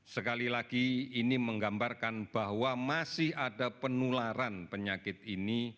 sekali lagi ini menggambarkan bahwa masih ada penularan penyakit ini